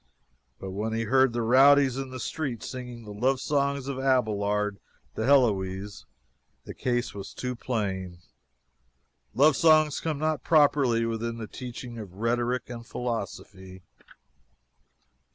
But when he heard the rowdies in the streets singing the love songs of Abelard to Heloise, the case was too plain love songs come not properly within the teachings of rhetoric and philosophy.